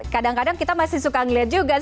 kadang kadang kita masih suka ngelihat juga